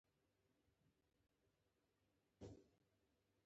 دوه قافیې له غزل سره مرسته نه کوي.